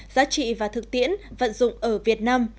giá trị và thực tiễn vận dụng ở việt nam